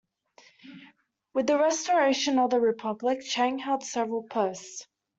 With the restoration of the Republic, Chang held several posts.